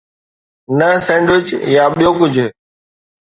نه سينڊوچ يا ٻيو ڪجهه.